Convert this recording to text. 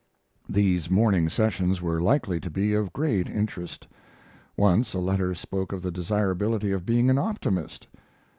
These morning sessions were likely to be of great interest. Once a letter spoke of the desirability of being an optimist.